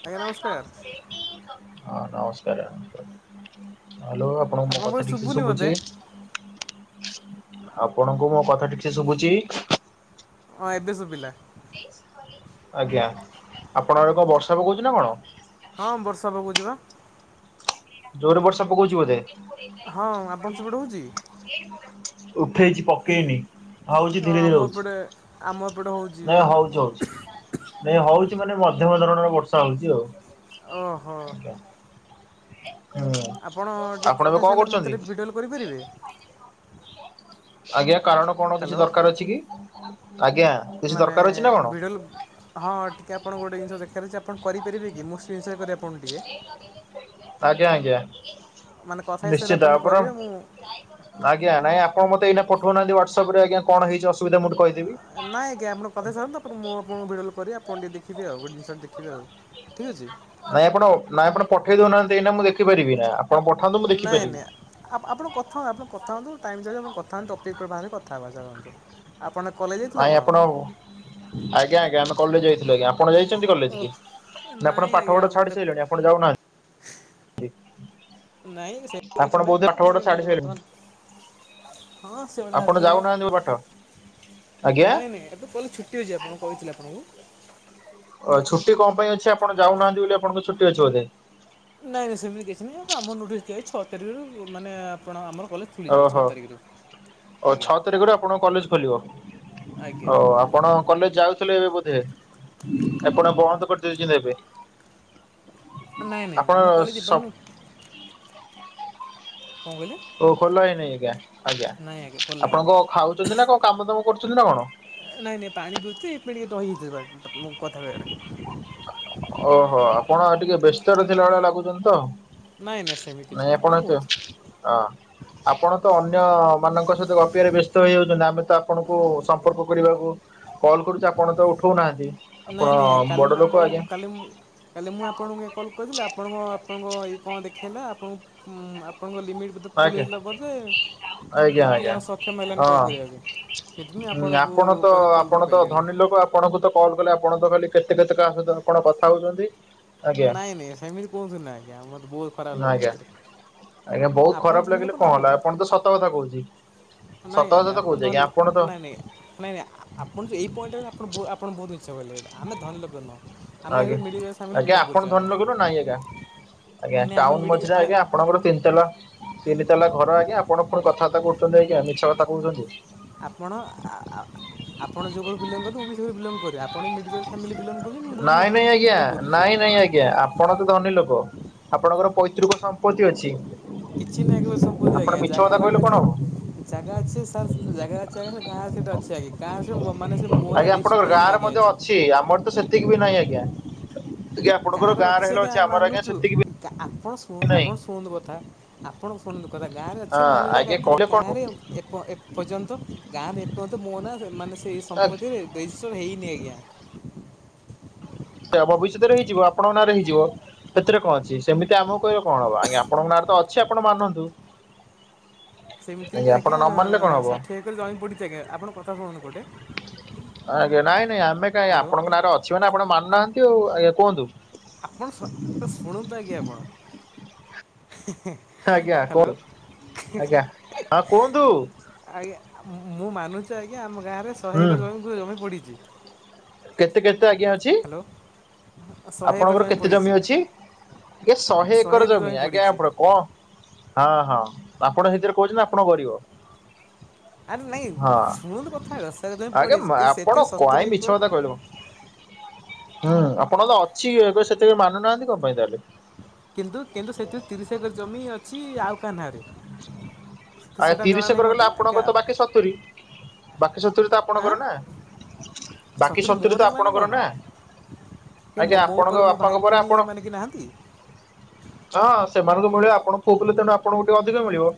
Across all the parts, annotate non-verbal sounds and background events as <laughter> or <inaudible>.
ଆଜ୍ଞା ନମସ୍କାର ହଁ ନମସ୍କାର। ହ୍ୟାଲୋ ଆପଣଙ୍କୁ ମୋ ଆପଣଙ୍କ ପାଖେ କଥା ଠିକ ସେ ଶୁଭୁନି ମୋତେ ଶୁଭୁଛି? ଆପଣଙ୍କୁ ମୋ କଥା ଠିକ୍ ସେ ଶୁଭୁଚ଼ି? ଅଁ ଏବେ ସୁବିଲା। ଆଜ୍ଞା ଆପଣଙ୍କ ଆଡେ କଣ ବର୍ଷା ପକଉଚ଼ି ନା କଣ? ହଁ ବର୍ଷା ପକଉଚ଼ିପା। ଜୋରେ ବର୍ଷା ପକଉଚ଼ି ବୋଧେ? ହଁ ଆପଣ ସେପଟେ ହେଉଛି ଅ, ଉଠେଇଚ଼ି ପକେଇନି। ହଉଚ଼ି ଧୀରେ ଆମ ଧୀରେ ହଉଚ଼ି ଏପଟେ ଆମ ଏପଟେ ହେଉଛି ନାଇଁ ଜୋରେ ହଉଚ଼ି ହଉଚ଼ି। ନାଇଁ ହଉଚ଼ି ମାନେ ମଧ୍ୟମ ଧରଣର ବର୍ଷା ହଉଚ଼ି ଆଉ। ଓ ହୋ। <inaudible> ଆପଣ ଟିକ୍ ଆପଣ ଏବେ କଥା ହେଇ କଣ ସାଇଲେ, ମୋତେ କରୁଛନ୍ତି? ଟିକେ ଭିଡିଓ କଲ କରିପାରିବେ? ଆଜ୍ଞା କାରଣ କଣ କିଛି ହ୍ୟାଲୋ ଦରକାର ଅଛି କି? ଆଜ୍ଞା କିଛି ମାନେ ଦରକାର ଅଛି ନା କଣ? ଭିଡେଲ୍ ହଁ ଟିକେ ଆପଣ ଗୋଟେ ଜିନିଷ ଦେଖେୟାର ଅଛି। ଆପଣ କରିପାରିବେ କି, ମୁଁ ସ୍କ୍ରିନ ଶେୟାର କରି ଆପଣଙ୍କୁ ଟିକେ? ଆଜ୍ଞା ଆଜ୍ଞା ମାନେ କଥା ହେଇସାରିଲେ ନିଶ୍ଚିତ ଟିକେ ଆପଣ କରିବେ ମୁଁ ଆଜ୍ଞା ନାଇ ଆ ଆପଣ ମତେ ଏଇନା ପଠଉ ନାହାନ୍ତି ହ୍ୱାଟ୍ସପରେ, ଅଜ୍ଞା କଣ ହେଇଚ଼ି ଅସୁବିଧା ମୁଁ କହି ନା ଆଜ୍ଞା ଆପଣ କଥା ହେଇ ସାରନ୍ତୁ, ତାପରେ ମୁଁ ଆପଣଙ୍କୁ ଭିଡିଓ କଲ କରିବି ଆପ୍ ଫୋନ୍ ଟିକେ ଦେଖିବି ଆଉ, ଗୋଟେ ଜିନିଷ ଦେଖିବେ ଆଉ ଠିକ୍ ଅଛି। ନାଇଁ ଆପଣ ନା ଆପଣ ପଠେଇ ଦଉନାହାନ୍ତି ଏଇନା, ମୁଁ ଦେଖିପାରିବି ଏଇନା। ନାଇଁ ନାଇଁ ଆପ୍ ଆପଣ କଥା ହୁଅ ଆପଣ କଥା ହଅନ୍ତୁ, ଟାଇମ୍ ଯାଉଛି ଆପଣ କଥ୍ ଥାଆନ୍ତୁ ଟପିକ୍ <unintelligible> ଭାବେ କଥା ହବା ଚାଲନ୍ତୁ। ଆପଣ କଲେଜ ଯାଇଥିଲେ ନାଇଁ ଆପଣ ଆଜ୍ଞା ଆଜ୍ଞା ଆମେ କଲେଜ ଯାଇଥିଲୁ ଆଜ୍ଞା। ଆପଣ ଯାଇଛନ୍ତି କଲେଜ ଓଃ କି, ନା ନାଇଁ ଆପଣ ପାଠ ଆଜ୍ଞା ପଢା ମୁଁ ଦେ ଛାଡି ସାଇଲେଣି ଆପଣ ଯାଉନାହାନ୍ତି? ନାଇଁ ସେମିତି ଆପଣ କିଛି ନାଇଁ ବୋଧେ ପାଠ ଆମେ ପଢା ଛାଡି ସାରିଲେଣି। ବର୍ତ୍ତମାନ ହଁ ସେଭଳିଆ ହେଲ୍ପ ଆପଣ କରିବେ। ଯାଉନାହାନ୍ତି ଯୋଉ ବାଟ, ଆ ନାଇଁ ନାଇଁ ଏବେ କଇଲେ ଛୁଟି ଅଛି, ଆପଣଙ୍କୁ କହିଥିଲି ଆପଣଙ୍କୁ। ଓ ଛୁଟି କଁ ପାଇଁ ଅଛି, ଆପଣ ଯାଉନାହାନ୍ତି ବୋଲି ଆପଣଙ୍କ ଛୁଟି ଅଛି ବୋଧେ? ନାଇଁ ନାଇଁ ସେମିତି କିଛି ନାଇଁ, ଆମ ନୋଟିସ୍ ଦିଆହେଇଚ଼ି ଛଅ ତାରିଖରୁ ମାନେ ଆପଣ ଆମର କଲେଜ ଖୁଲିଯିବ ଛଅ ଓହୋ ତାରିଖରୁ। ଓ ଆଜ୍ଞା ଛଅ ତାରିଖରୁ ଆପଣଙ୍କ କଲେଜ ଖୋଲିବ, ଆଜ୍ଞା ଓ ଆପଣ କଲେଜ ଯାଉଥିଲେ ଏବେ ବୋ ଧେ ଆପଣ ବନ୍ଦ କରିଦେଇଚ଼ନ୍ତି ଏବେ? ନାଇଁ ନାଇଁ ଆମ କଲେଜ୍ ଆପଣ ଏପଅନ୍ତ କଁ କଇଲେ? ଓ ଖୋଲା ହେଇନି ଏଇଖିଆଁ ଆଜ୍ଞା ଖୋଲା ଆପଣ ହେଇନି। କଁ ଖାଉଚ଼ନ୍ତି ନା କଣ, କାମ ଦାମ କରୁଚ଼ନ୍ତି ନା କଣ? ନାଇଁ ନାଇଁ ପାଣି ପିଉତି ଏବେ ଟିକେ ରହିତିଲି ପା ମୁଁ କଥା କହିବାରେ। ଓ ହୋ ଆପଣ ଟିକେ ବ୍ୟସ୍ତରେ ଥିଲା ଭଳିଆ ଲାଗୁଚ଼ନ୍ତି ତ। ନାଇଁ ନାଇଁ ସେମିତି କିଛି ନାହିଁ ଆପଣ ଆଜ୍ଞା ଏତେ ହଁ। କୁହନ୍ତୁ। ଆପଣ ତ ଅନ୍ୟ ମାନଙ୍କ ସହିତ ଗପିବାରେ ବ୍ୟସ୍ତ ହେଇଯାଉଚ଼ନ୍ତି, ଆମେ ତ ଆପଣଙ୍କୁ ସମ୍ପର୍କ କରିବାକୁ କଲ୍ କରୁଚ଼ି ଆପଣ ତ ଉଠଉନାହାନ୍ତି ନାଇଁ ଆପଣ ନାଇଁ କାଲି ମୁଁ ବଡ ଲୋକ ଆପଣଙ୍କୁ ଆଜ୍ଞା। କାଲି ମୁଁ କାଲି ମୁଁ ଆପଣଙ୍କୁ ଆ କଲ୍ କରିଥିଲି, ଆପଣଙ୍କ ଆପଣଙ୍କ ଏଇ କଣ ଦେଖେଇଲା ଆପଣ ଉୁଁ ଆପ୍ ଆପଣଙ୍କ ଲିମିଟ୍ ବୋଧେ ଫୁଲ ଆଜ୍ଞା ହେଇଥିଲା ବୋଧେ ଆଜ୍ଞା ହେତି ଆଜ୍ଞା ଆଉ ସକ୍ଷମ ହେଲାନି କଲ୍ ହଁ। କରିବା ପାଇଁ। ସେଥିପାଇଁ ହୁଁ ଆପଣଙ୍କୁ ଆପଣ ତ ପରେ କଲ୍ ଆପଣ ତ କରିପାରିଲିନି ଧନୀ ଲୋକ, ଆପଣଙ୍କୁ ତ କଲ୍ କଲେ ଆପ୍ ଆପଣ ତ କାଲି କେତେ କେତେ କାହା ସହିତ କଣ କଥା ହୋଉଚନ୍ତି। ନାଇଁ ନାଇଁ ସେମିତି କୁହନ୍ତୁ ନାଇଁ ଆଜ୍ଞା ମତେ ବୋହୁତ ଖରାପ ଲାଗୁଚି ଆଜ୍ଞା ଏଇଥିରେ। ଆଜ୍ଞା ବୋହୁତ ଖରାପ ଲାଗିଲେ କଁ ହେଲା ଆପଣଙ୍କୁ ତ ସତକଥା କୋହୁଚି। ନାଇଁ ଆଜ୍ଞା ଆପଣ ଧନ୍-ଲୋ-ନାଇଁ ନାଇଁ ନାଇଁ ନାଇଁ ଆ-ଆପଣ ଯୋଉ ଏଇ ପଏଣ୍ଟରେ ଆପଣ ବୋହୁ-ଆପଣ ବୋହୁତ୍ ମି ମିଛ କହିଲେ ଏଟା ଆମେ ଧନୀ ଲୋକ ନୁହଁ ଆମେ ଆଜ୍ଞା ଏଇ ମିଡ଼ିଲ୍ କ୍ଲାସ ଫାମିଲି ଆଜ୍ଞା ବିଲଙ୍ଗ୍ ଆପଣ କରୁଚୁ ଧନୀ ଆମେ। ଲୋକ ନା ନାଇଁ ଆଜ୍ଞା ଆଜ୍ଞା ମାନେ ଆମେ ଟାଉନ ମିଡ଼ିଲ୍ ମଝିରେ ଆମେ ଅଜ୍ଞା ଆପଣଙ୍କର ତିନ୍ ତାଲା ତିନି ତାଲା ଘର ଆଜ୍ଞା ଆପଣ ଫୁଣି କଥାବର୍ତ୍ତା କରୁଚନ୍ତି ଅଜ୍ଞା ମିଛ କଥା କୋହୁଚନ୍ତି। ଆପଣ ଆ-ଆ-ଆପଣ ଯୋଉ ଘରୁ ବିଲଙ୍ଗ୍ କରନ୍ତି ମୁଁ ବି ସେଇ ଘରୁ ବିଲଙ୍ଗ୍ କରେ ଆପଣ ଯେମ୍ ମିଡ଼ିଲ୍ କ୍ଲାସ୍ ଫ୍ୟାମିଲି ବିଲଙ୍ଗ କରୁଛନ୍ତି ମୁଁ ବି ନାଇଁ ମିଡ଼ିଲ୍ ନାଇଁ କ୍ଲାସ୍ ଫ୍ୟାମିଲି ଆଜ୍ଞା ବିଲଙ୍ଗ କରୁଛି ନାଇଁ ନାଇଁ ଆଜ୍ଞା ଆପଣ ତ ଧନୀ ଲୋକ। ଆପଣଙ୍କର ପୈତୃକ ସମ୍ପତ୍ତି ଅଛି। ଆପଣ କିଛି ନାହିଁ ଆଜ୍ଞା ମିଛ ସମ୍ପତ୍ତି କଥା ଆଜ୍ଞା ଜାଗା କହିଲେ ବାଡ଼ି ଅଛି କଣ ହବ ଜାଗା ଅଛି ସାର୍ ଜାଗା ଅଛି ଆଜ୍ଞା ସେଟା ଗାଁରେ ସେଟା ଅଛି ଆଗେ ଗାଁ ଆସିବ ମାନ ସେ ମୋର <unintelligible> ହେଇନି ଆଜ୍ଞା। ଯେ ଏଯାଏଁ ଅଛି ଆମର ତ ସେତି ସେତିକି ବି ନାହିଁ ଆଜ୍ଞା ଆଜ୍ଞା ଆପଣଙ୍କର ଗାଁରେ ହେଲେ ଅଛି ଆମର ଆଜ୍ଞା ସେତିକି ବି ଗା- ଆପଣ ନାହିଁ ଶୁ-ଆପଣ ଶୁଣନ୍ତୁ କଥା ଆପଣ ଶୁଣନ୍ତୁ। ସତ କଥା ଗାଁରେ ଅଛି ହଁ ମାନୁଚି ଆଜ୍ଞା କିନ୍ତୁ କହିଲେ କଣ ଗାଁରେ ଏପ-ଏପର୍ଯ୍ୟନ୍ତ ଗାଁରେ ଏପର୍ଯ୍ୟନ୍ତ ମୋ ନା ସ-ମାନେ ସେଇ ହବ ସମ୍ପତିରେ ରେଜିଷ୍ଟର ହେଇନି ଆଜ୍ଞା। ଏହା ଭବିଷ୍ୟତରେ ହେଇଯିବ ଆପଣଙ୍କ ନାଁରେ ହେଇଯିବ। ଏଥିରେ କଣ ଅଛି ସେମିତି ଆମକୁ କହିଲେ କଣ ହବ ଆଜ୍ଞା ଆପଣଙ୍କ ନାଁରେ ତ ଅଛି ଆପଣ ମାନନ୍ତୁ। ସେମିତି ବି ଆପଣ ଆଜ୍ଞା ନ ମାନିଲେ କଣ ହବ ଷାଠିଏ ଏକର ଜମ ପଡ଼ିଚି ଆଜ୍ଞା ଆପଣ କଥା ଶୁଣନ୍ତୁ ଗୋଟେ ଆଜ୍ଞା ନାଇଁ ନାଇଁ ଆମେ କାଇଁ ହ୍ୟାଲୋ ଆପଣଙ୍କ ନାଁରେ ଅଛି ମାନେ ଆପଣ ମାନୁନାହାନ୍ତି ଆଉ ଆଜ୍ଞା କୁହନ୍ତୁ? ଆପଣ ଶୁ-ଶୁଣନ୍ତୁ ଆଜ୍ଞା ଆପଣ। ଆଜ୍ଞା ହ୍ୟାଲୋ କୁହନ୍ତୁ ଆଜ୍ଞା ହଁ କୁହନ୍ତୁ। ଆଜ୍ଞା ଆ ମୁଁ ମାନୁଚି ଆଜ୍ଞା ଆମ ଗାଁରେ ଶହେ ହୁଁ ଏକର ଜମିକୁ ଜମି ପଡିଚି। କେତେ କେତେ ଆଜ୍ଞା ଅଛି ହ୍ୟାଲୋ ଶହେ ଏକର ଆପଣଙ୍କର କେତେ ପଡ଼ିଛି ଜମି ଅଛି? ଏ ଶହେ ଏକର ଜମି ଆଜ୍ଞା ଆପଣ କଁ ହଁ ହଁ ଆପଣ ହେଇଥିରେ କୋହୁଚନ୍ତି ଆପଣ ଗରିବ। ଆରେ ନାଇଁ ହଁ ଶୁଣନ୍ତୁ କଥା ଆଗ ଦଶହଜାର ଯାଏଁ ଆଜ୍ଞା ପଡିଚି କିନ୍ତୁ ଆପଣ ସେଥିରୁ କାଇଁ ଶତୁରି ମିଛ ଏକ କଥା କହିଲୁ କ ହଁ ଆଁ ଆପଣଙ୍କ ତ ଅଛି ଏବେ ସେଥିରେ ମାନୁନାହାନ୍ତି କଣ ପାଇଁ ତାହେଲେ? କିନ୍ତୁ କିନ୍ତୁ ସେଥିରୁ ତିରିଶ ଏକର ଜମି ଅଛି ଆଉ କାହା ନାଁରେ। ତ ଆଉ ଏ ସେଇଟା ଜଣା ତିରିଶି ନାହିଁ ଏକର ଗଲେ ମୋତେ ଆପଣଙ୍କର ତ ବାକି ସତୁରି। ବାକି ସତୁୁରୀ ତ ଆଁ ଆପଣଙ୍କର ନା ବାକି ସତୁରି ମୋର ତ ଏକଲା ଆପଣଙ୍କର କ'ଣ ନା? ଏ ଆଜ୍ଞା ମୋ-ମୋ ଆପଣଙ୍କ ଉପରୁ ମୋ ବାପାଙ୍କ ଭାଇ ପରେ ଆପଣ ଭୋଉଣୀମାନେ କେହି ନାହାନ୍ତି। ହଁ ସେମାନଙ୍କୁ ମିଳିବ ଆପଣ ଫୁଅପିଲେ ତେଣୁ ଆପଣଙ୍କୁ ଟିକେ ଅଧିକ ମିଳିବ।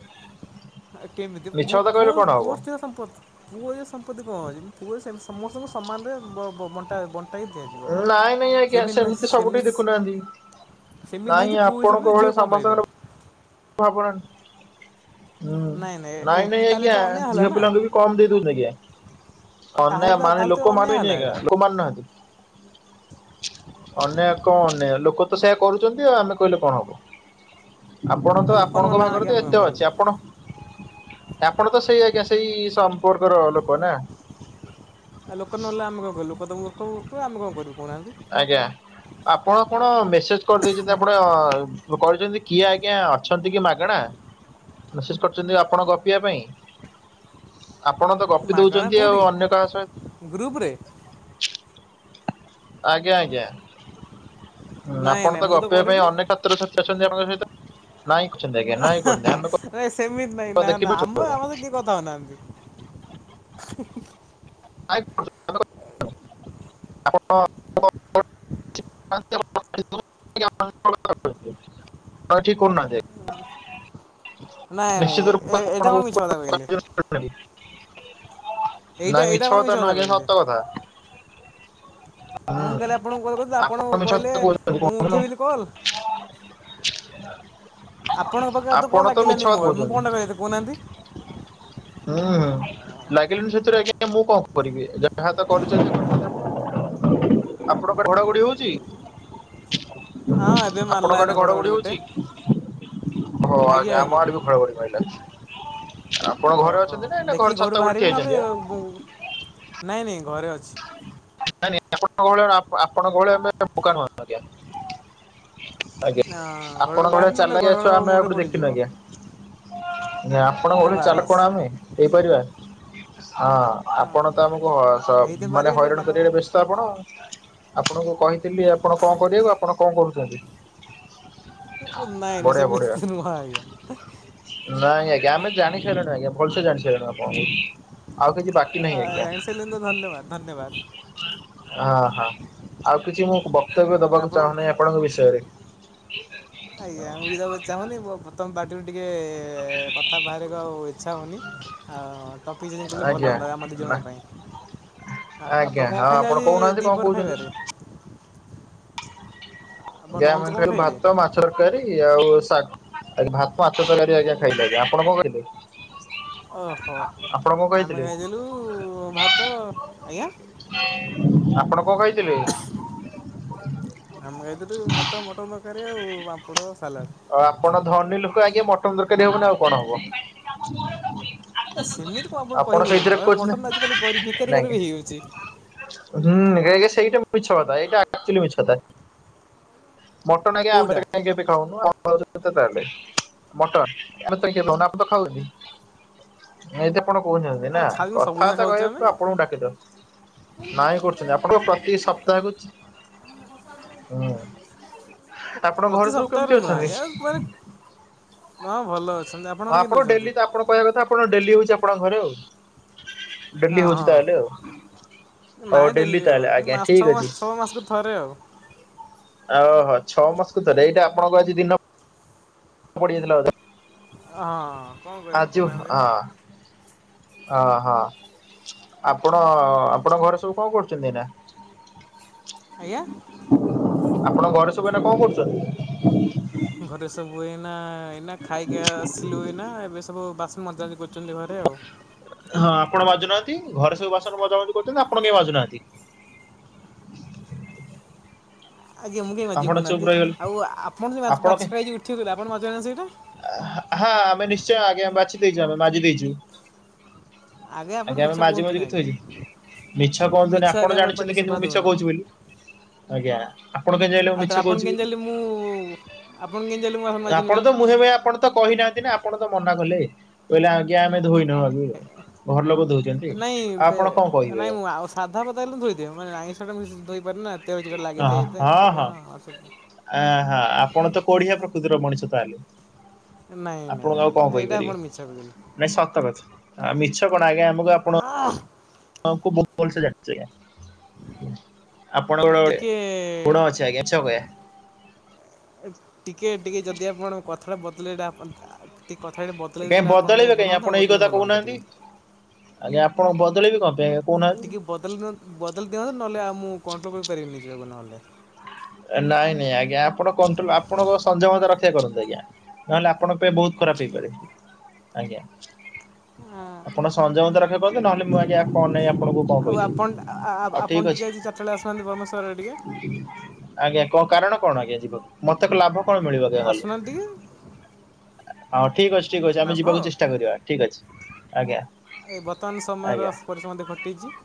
ଆ କେମିତି ମିଛ କଥା ପୁଅ-ପୁଅ କହିଲେ କଣ ହବ ପୁଅ ଝିଅ ସମ୍ପତି ପୁଅ ଝିଅ ସମ୍ପତ୍ତି କଣ ଅଛି ପୁଅ ସେମତି ସମସ୍ତଙ୍କୁ ସମାନରେ ବ-ବ-ବଣ୍ଟା-ବ ନାଇଁ ନାଇଁ ଆଜ୍ଞା ସେମତି ସବୁଠି ସେମିତି ଦେଖୁନାହାନ୍ତି। ସେମିତି ନାହିଁ ନାଇଁ ଯେ ପୁଅ ଆପଣଙ୍କ ହିସାବରେ ଭଳିଆ ଝିଅ କମ୍ ପାଇବ। ସମସ୍ତଙ୍କର ଭାବନା ହୁଁ ନାଇଁ ନାଇଁ ନାଇଁ ତାହେଲେ ତ ଆଜ୍ଞା ଅନ୍ୟାୟ ହେଲା ଝିଅ ନା ପିଲାଙ୍କୁ ବି କମ୍ ଦେଇଦୋଉ ଆଜ୍ଞା। ଅନ୍ୟ ତାହେଲେ ତ ମାନେ ତାହେଲେ ତ ଲୋକ ଅନ୍ୟାୟ ମାନିବେନି ହେଲା ଆଜ୍ଞା ଏଇଟା ଲୋକ ମାନୁ ନାହାନ୍ତି। ଅନ୍ୟାୟ କଣ ନ୍ୟାୟ ଲୋକ ତ ସେୟା କରୁଚନ୍ତି ଆଉ ଆମେ କହିଲେ କଣ ହବ। ଆପଣ ଆ ତ ଲୋକ ଆପଣଙ୍କ ନହେଲା ପାଖରେ ଆଜ୍ଞା ତ ଆମେ କ'ଣ ଏତେ କରିବୁ ଅଛି ଆପଣ ଆପଣ ତ ସେଇ ଆଜ୍ଞା ସେଇ ସମ୍ପର୍କର ଲୋକ ନା? ଆଉ ଲୋକ ନହେଲେ ଆମେ କଣ କରିବୁ ଲୋକ ତ ମୁର୍ଖ ମୁର୍ଖ ଆମେ କଣ କରିବୁ? କହୁନାହାନ୍ତି ଆଜ୍ଞା ଆପଣ କଣ ମେସେଜ କରିଦେଇଚନ୍ତି ଆପଣ କହିଚନ୍ତି କିଏ ଆଜ୍ଞା ଅଛନ୍ତି କି ମାଗଣା। ମେସେଜ୍ କରିଚନ୍ତି ଆପଣ ଗପିବା ପାଇଁ। ଆପଣ ତ ଗପି ମାଗଣା ଦଉଛନ୍ତି ଆଉ, କେଉଁଠି ଅନ୍ୟ କାହା ସହିତ ଗ୍ରୁପରେ <unintelligible> ଆଜ୍ଞା ଆଜ୍ଞା ହଁ ନାଇଁ ଆପଣ ନାଇଁ ତ ମୁଁ ଗପିବା ପାଇଁ କରିନି ଅନେକ କ୍ଷେତ୍ରରେ ସତ ଅଛନ୍ତି ଆପଣଙ୍କ ସହି ନାଇଁ କରୁଛନ୍ତି ଆଜ୍ଞା ନାଇଁ କରହୁୁଛନ୍ତି ଆମେ କ <inaudible> ନାଇଁ ନାଇଁ ସେମିତି ନା ନା ଆମ ଆମ ସହ କିଏ କଥା ହଉନାହାନ୍ତି। <unintelligible> ଆପଣ <inaudible> ଠିକ କରନା ଦେଖ <inaudible> ନିଶ୍ଚିତ ରୂପେ ନାଇଁ ନାଇଁ ଏଇଟା ଆପଣ ଆପଣଙ୍କ ମିଛ କଥା କହିଲେ ଉପରେ <inaudible> ଏଇଟା ଏଇଟା କଣ ମିସ୍ତ୍ରୀ ନା ଆଜ୍ଞା ସତ କଥା ମୁଁ ହୁଁ। କାଲି ଆପଣଙ୍କୁ କଲ କରଥିଲି ଆପଣ ମିଛ କହିଲେ କଥା କହୁଛନ୍ତି ମୁଁ କହୁନ ଉଠେଇବିନି କଲ। କଲ୍ ଆପଣ ତ ଲାଗିଲାନି ମିଛ ମୋ ମୁଁ କହୁଛନ୍ତି। କ'ଣଟା କହିବି କହୁନାହାନ୍ତି ହୁ ଲାଗିଲଣିି ସେଥିରେ ଆଜ୍ଞା ମୁଁ କଣ କରିବି ଯାହା ତ କରୁଛନ୍ତି ଆପଣ କଂ ଘଡଘଡି ହଉଛି? ହଁ ଏବେ ମାରିଲା ଆପଣଙ୍କ ଏଇନା ଆଦେ ଘଡଘଡି ଘଡ଼ଘଡ଼ି ଗୋଟେ ହଉଛି? ହଁ ଆଜ୍ଞା! ଆମ ଆଡେ ବି ଘଡଘଡ଼ି ମାଇଲା। ଆପଣ ଘରେ ଓହୋ ଅଛନ୍ତି ନା ଏଇଟା ଘର ଛାତ ଉପରେ ଠିଆହୋଇଛି ଆଜ୍ଞା! ନାଇ ନାଇ <inaudible> ଆଜ୍ଞା ହଁ ଘରଠୁ ଆପଣଙ୍କ ଭଳିଆ ବାହାରିବି ନହେଲେ ଚାଲକିଆ ଛୁଆ ଘଡ଼ଘଡ଼ି ଆମେ ଆୁଉ ମୁଣ୍ଡରେ କୋଉଠି ଦେଖିନୁ ପଡ଼ିଯିବ ଆଞ୍ଜା ନା ଆପଣଙ୍କ ଭଳି ଚାଲୁ ବାସ୍। କଣ ଆମେ ହେଇପାରିବା ହଁ ଆପଣ ତ ଆମକୁ ହ ହେଇତ ମାନେ ପାରିବେନି ଟିକେ ହଇରାଣ ବାଦାମ କରିବାରେ ବ୍ୟସ୍ତ ଆପଣ, ଆପଣଙ୍କୁ କହିଥିଲି ଆପଣ କଣ କରିବାକୁ, ଆପଣ କଅଣ କଣ ହେଲା ଯେ <inaudible> ନାଇ ନାଇ ସେମିତି କିଛି ନୁହଁ ଆଞ୍ଜା। ନାଇଁ ଆମେ ଜାଣି ସାରିଲୁଣି ଆଜ୍ଞା ଭଲସେ ଜାଣି ସାରିଲୁଣି ଆପଣଙ୍କୁ। ଆଉ କିଛି ବାକି ନାହିଁ ଆଜ୍ଞା! ଜାଣି ସାରିଲେଣି ତ ଧନ୍ୟବାଦ ଧନ୍ୟବାଦ ହଁ ହଁ ଆଉ କିଛି ମୁଁ ବ ବକ୍ତବ୍ୟ ଆଉ ଦବାକୁ ଆପଣ ଚାହୁଁନାହିଁ ଆପଣଙ୍କ ବିଷୟରେ। ଆଜ୍ଞା ମୁଁ ବି ତାକୁ ଚାହୁଁନି ତୋ ପ୍ରଥମ ପାଟିରୁ ଟିକେ କଥା ବାହାରିବାକୁ ଆଉ ଇଚ୍ଛା ହଉନି ଆଉ ଟପିକ୍ ଚେଞ କଲେ ଭଲ ଆଜ୍ଞା। ହୁଅନ୍ତା ଆମ ଦୁଇ ନା ଜଣଙ୍କ ପାଇଁ। ଆଉ ଆଜ୍ଞା ଆପଣ କଣ ହଁ ଖାଇଲେ ଆଜି କହୁନାହାନ୍ତି କଣ ଦିପହର କହୁଛନ୍ତି? ଖାଇବାରେ? ଆପଣ ଯା ଲଞ୍ଚ ମ କଣ ଖାଲି ଖାଇଲେ? ଭାତ ମାଛ ତରକାରୀ ଆଉ ଶାଗ, ଭାତ, ମାଛ ତରକାରି ଆଜ୍ଞା ଖାଇଲେ ଆପଣ କଣ ଖାଇଲେ? ଓହୋ ଆପଣ କଣ ଆମେ ଖାଇଥିଲେ ଖାଇଦେଲୁ ଭାତ, ଆଜ୍ଞା ଆପଣ କଣ ଖାଇଥିଲେ? ଆମେ ଖାଇଥିଲୁ ଭାତ, ମଟନ ତାରକାରୀ ଆଉ ପାମ୍ପଡ ଆଉ ଆପଣ ଧନୀ ଲୋକ ଆଜ୍ଞା ମଟନ ତରକାରୀ ହବନି ଆଉ କଣ ହବ। ଏ ସେମିତି କଣ ଆପଣ କହି ପାରିବେ ସେଇଥିରେ ନା କହୁଛନ୍ତି ମଟନ ତ ଆଜିକାଲି ଭିକାରୀ ନାଇଁ ଘରେ ବି ହେଇଯାଉଛି। ହୁଁ ଘାଏ ଘାଏ ସେଇଟା <inaudible> ମିଛ କଥା ଏଇଟା ଆକଚୁଲି ମିଛ କଥା। <inaudible> ମଟନ୍ ଆଜ୍ଞା ଆମେ କୋଉଟା କାହିଁ କେବେ ଖାଉନୁ। ଆନିଚ ତାହେଲେ ମଟନ ଆମକୁତ କିଏ ଦଉନ ଆମେତ ଖାଉଛୁ ହେଇଯେ <inaudible> ଆପଣ କହୁଛନ୍ତି ଆମେ ନା ଖାଉନୁ ସବୁଦିନ କଥାବାର୍ତ୍ତା ଖାଉଛୁ ଆମେ କହିବାକୁ ଆପଣଙ୍କୁ ଡାକିଦବ। ନାଇଁ କରୁଛନ୍ତି ଆପଣଙ୍କ ପ୍ରତି ସପ୍ତାହକୁ ଆପଣଙ୍କ ପ୍ରତି ଘରେ ସବୁ ସପ୍ତାହରେ କେମିତି ନୁହଁ ଅଛନ୍ତି? ଆଜ୍ଞା ମାନେ ହଁ ଭଲ ଅଛନ୍ତି ଆପଣଙ୍କର କେମିତି ଆପଣ ଅଛନ୍ତି ଡେଲି ତ ଆପଣ କହିବା କଥା ଆପଣ ଡେଲି ହେଉଛି ଆପଣଙ୍କ ଘରେ ଆଉ ହଁ ଡେଲି ହୋଉଛି ତାହେଲେ ହଁ ଆଉ ହଉ ନାଇଁ ଡେଲି ତାହେଲେ ହୋବନି ଆଜ୍ଞା ମାସ ଠିକ ଛଅ ଅଛି ମାସ ଛଅ ମାସକୁ ଥରେ ଆଉ ଓହୋ ଛଅ ମାସକୁ ଥରେ ଏଇଟା ଆପଣଙ୍କୁ ଆଜି ଦିନ ପଡ଼ିଯାଇଥିଲା ବଧେ। ଆ ହଁ। କଣ ଆ କରିବା ଯୁ କହୁନାହାନ୍ତି ଆଁ ହଁ ହଁ। ଆପଣ ଆପଣଙ୍କ ଘରେ ସବୁ କଣ କରୁଛନ୍ତି ଏଇନା। ଆଜ୍ଞା। ଆପଣ ଘରେ ସବୁ ଏଇନେ କଣ କରୁଚନ୍ତି? ଘରେ ସବୁ ଏଇନା ଏଇନା ଖାଇକି ଆସିଲୁ ଏଇନା ଏବେ ସବୁ ବାସ ହଁ ଆପଣ ମାଜୁନାହାନ୍ତି। ଘରେ ସବୁ ବାସନ ମଜାମଜି କରୁଛନ୍ତି ଆପଣ କେହି ମାଜୁନାହାନ୍ତି ଆଜ୍ଞାଁ ମୁଁ କାଇଁ ମାଜିବି ଆପଣ ଚୁପ୍ କହୁନାହାନ୍ତି ରହିଗଲେ ଆଉ ଆପଣ ଜଉ ମାଛ ଖାଇକି ଉଠିଥିଲେ ଆପଣ ମାଜୁ ନାହାନ୍ତି ସେଇଟା। ହଁ ଆମେ ନିଶ୍ଚୟ ଆଜ୍ଞା ବାଛି ଦେଇଛୁ ଆମେ ମାଜି ଦେଇଚୁ ଆପଣ ଆଜ୍ଞା ଆମେ ମିଛ ମାଜି କୁହନ୍ତୁନି ମୁଜିକି ଆଜ୍ଞା ଥୋଇଚୁ। ମିଛ କୁହନ୍ତୁନି ମିଛ ଆପଣ ଆଜ୍ଞା ଆମର ଜାଣିଛନ୍ତି ପାଟିକି କିନ୍ତୁ ଶୋଭା ମୁଁ ମିଛ ଦଉନି। କହୁଛି ବୋଲି ଆଜ୍ଞା ଆପଣ କେମିତି ଜାଣିଲେ ମୁଁ ଆଉ ମିଛ ତାହେଲେ ଆପଣ କହୁଛି କେମିତି ବୋଲି ଜାଣିଲେ ମୁଁ ଆପଣ କେମିତି ଜାଣିଲେ ମୁଁ ବାସନ ମାଜିନି ଆପଣ ତ ବୋଲି? ମୁହେଁ ମୁହେଁ ଆପଣ ତ ତ କହିନାହାନ୍ତି ନା ଆପଣ ତ ମନା କଲେ କହିଲେ ଆଜ୍ଞା ଆମେ ଧୋଇନାହୁବୋଲି ନାଇଁ କହିବେ? ନାଇଁ ମୁଁ ଆଉ ସାଧା ପାଧା ହେଲେ ଧୋଇଦିଏ ମାନେ ଆଇଁଷ ଧୋଇପାରେନା ଅ ହଁ ହଁ ଆ ହ ଆପଣ ତ କୋଢିଆ ପ୍ରକୃତିର ମଣିଷ ତାହଲେ ନାଇଁ ନାଇଁ ଆପଣଙ୍କୁ ଆଉ ନାଇଁ କଣ ଏଇଟା କହିପାରିବି ଆପଣ ମିଛ କହିଲେ। ନାଇଁ ସତ କଥା ମିଛ କଣ ଆଜ୍ଞା ଆମକୁ ଆପଣ ଆମକୁ ବହୁତ ଭଲସେ ଜାଣିଛି ଆଜ୍ଞା। ଆପଣଙ୍କ ଗୋଡେ କୁଣ ଟିକେ ଅଛି ଆଜ୍ଞାଛ କହେ <inaudible> ଟିକେ ଟିକେ ଯଦି ଆପଣ କଥାଟା ବଦଳେଇଲେ ଆପଣ ଟି କାହିଁ ବଦଳେଇବେ କାହିଁ ଆପଣ ଏଇ କଥା ଭଲ ହୁଅନ୍ତା କହୁନାହାନ୍ତି ଟିକେ। ଆଜ୍ଞା ଆପଣ ବଦଳେଇବେ କଣ ପାଇଁ ଆଜ୍ଞା କହୁନାହାନ୍ତି ଟିକେ ବଦଲି ଦିଅନ୍ତୁ ବଦଳି ଦିଅନ୍ତୁ ନହେଲେ ଆଉ ମୁଁ କଣ୍ଟ୍ରୋଲ କରିପାରିବିନି ନିଜ ଯକୁ ନହେଲେ ନାଇଁ ନାଇଁ ଆଜ୍ଞା ଆପଣ କଣ୍ଟ୍ରୋଲ ଆପଣଙ୍କ ସଂଯମତା ରକ୍ଷା କରନ୍ତୁ ଆଜ୍ଞା ନହେଲେ ଆପଣଙ୍କ ପାଇଁ ବହୁତ ଖରାପ ହେଇପାରେ ଆଜ୍ଞା ଆପଣ ସଞମତା ରକ୍ଷା କରନ୍ତୁ ନହେଲେ ମୁଁ ଆଜ୍ଞା କଣ ନ ଆପଣଙ୍କୁ କଣ ଆଉ କହିଦେବି ଆପଣ ଆଉ ଆପଣ ଠିକ ଟିକେ ଅଛି ଆଜି ଚାରିଟା ବେଳେ ଆସୁନାହାନ୍ତି ବ୍ରହ୍ମେଶ୍ୱର ଆଡ଼େ ଟିକେ। ଆଜ୍ଞା କ କାରଣ କଣ ଆଜ୍ଞା ଯିବ ମତେ କି ଲାଭ କଣ ମିଳିବ ଆଜ୍ଞା ଗଲେ ଆସୁନାହାଁନ୍ତିି ଟିକେ ହଁ ଠିକ୍ ଅଛି ଠିକ୍ ଅଛି ଆମେ ଲାଭ ଯିବାକୁ ଚେଷ୍ଟା କରିବା ଠିକ୍ ଅଛି ଆଜ୍ଞା ଏ ବର୍ତ୍ତମାନ ସମୟର ଆଜ୍ଞା। ପରିଶ୍ରମ ମଧ୍ୟ ଘଟିଛି।